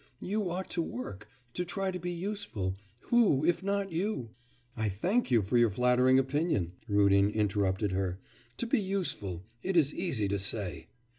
you ought to work, to try to be useful. Who, if not you ' 'I thank you for your flattering opinion,' Rudin interrupted her. 'To be useful... it is easy to say!